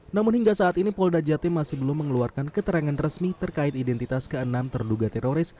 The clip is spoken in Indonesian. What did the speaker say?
namun hingga saat ini polda jatim masih belum mengeluarkan keterangan resmi terkait identitas ke enam terduga teroris